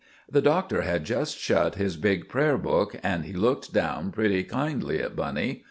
The Doctor had just shut his big prayer book, and he looked down pretty kindly at Bunny.